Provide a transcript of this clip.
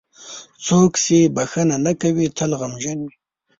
• څوک چې بښنه نه کوي، تل غمجن وي.